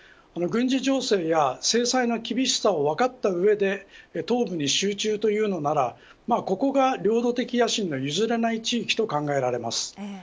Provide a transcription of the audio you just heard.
軍事情勢や制裁の厳しさを分かった上で東部に集中というのならここが領土的野心の譲れない地域と考えられます。